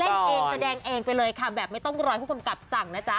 เล่นเองแสดงเองไปเลยค่ะแบบไม่ต้องรอผู้กำกับสั่งนะจ๊ะ